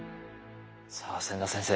さあ千田先生。